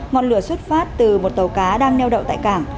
ngọn lửa xuất phát từ một tàu cá đang neo đậu tại cảng